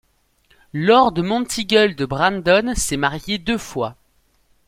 Lord Monteagle de Brandon s'est marié deux fois.